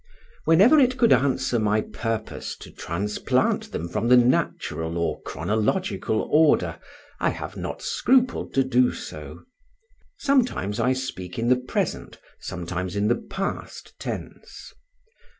Whenever it could answer my purpose to transplant them from the natural or chronological order, I have not scrupled to do so. Sometimes I speak in the present, sometimes in the past tense.